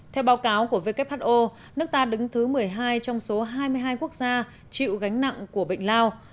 theo báo cáo của who nước ta đứng thứ một mươi hai trong số hai mươi hai quốc gia chịu gánh nặng của bệnh lao